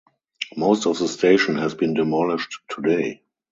Most of the station has been demolished today.